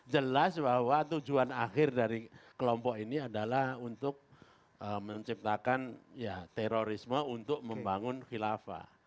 jelas bahwa tujuan akhir dari kelompok ini adalah untuk menciptakan terorisme untuk membangun khilafah